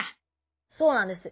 そうなんです。